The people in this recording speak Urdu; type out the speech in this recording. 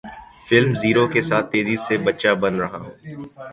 فلم زیرو کے ساتھ تیزی سے بچہ بن رہا ہوں